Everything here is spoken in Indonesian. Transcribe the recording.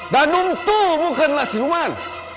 danung itu bukanlah siluman